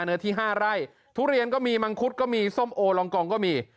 เนื้อที่๕ไร่ทุเรียนก็มีมังคุดก็มีส้มโอลองกองก็มี